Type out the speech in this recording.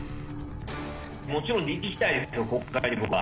もちろん、行きたいですよ、国会には。